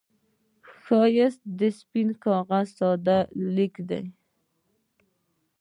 ښایست د سپين کاغذ ساده لیک دی